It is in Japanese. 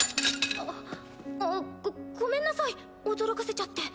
あっごごめんなさい驚かせちゃって。